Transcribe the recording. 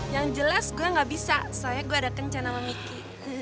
yang jelas gue gak bisa soalnya gue ada kencan sama miki